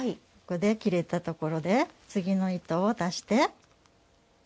切れたところで、次の糸を出して。